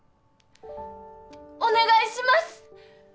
お願いします！